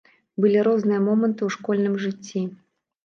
Былі розныя моманты ў школьным жыцці.